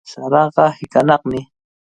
Saraqa hiqanaqmi.